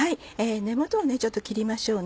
根元を切りましょう。